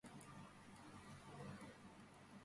მშვიდობის მსოფლიო საბჭოს წევრი.